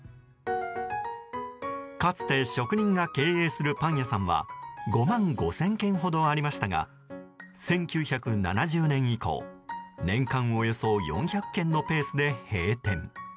かつて職人が経営するパン屋さんは５万５０００軒ほどありましたが１９７０年以降、年間およそ４００軒のペースで閉店。